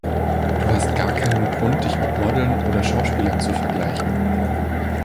Du hast gar keinen Grund, dich mit Modeln oder Schauspielern zu vergleichen.